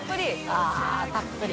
あったっぷり。